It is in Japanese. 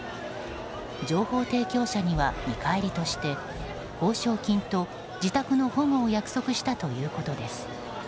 情報提供者には見返りとして報奨金と自宅の保護を約束したということです。